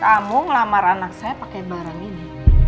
kamu ngelamar anak saya pakai barang ini